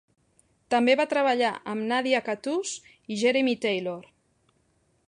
També va treballar amb Nadia Cattouse i Jeremy Taylor.